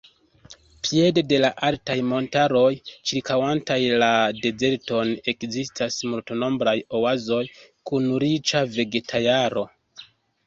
Piede de la altaj montaroj ĉirkaŭantaj la dezerton ekzistas multnombraj oazoj kun riĉa vegetaĵaro.